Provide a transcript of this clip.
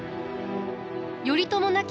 頼朝亡き